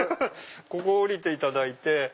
ここ降りていただいて。